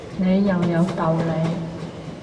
你又有道理